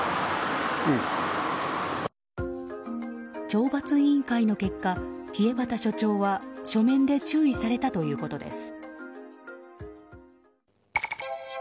懲罰委員会の結果稗畑署長は書面で注意されたということです。